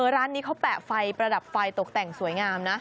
ร้านนี้เขาแปะไฟประดับไฟตกแต่งสวยงามนะ